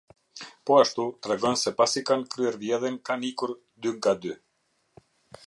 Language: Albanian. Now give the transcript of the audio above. Po ashtu, tregon se pasi kanë kryer vjedhjen kanë ikur dy nga dy.